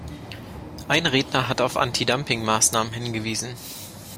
Ein Redner hat auf Anti-Dumping-Maßnahmen hingewiesen.